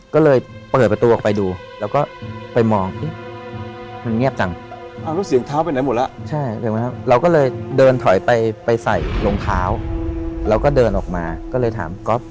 ก็เลยเปิดประตูออกไปดู